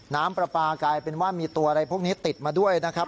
น้ำปลาปลากลายเป็นว่ามีตัวอะไรพวกนี้ติดมาด้วยนะครับ